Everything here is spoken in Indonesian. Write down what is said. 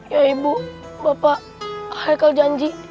ya ibu bapak haikal janji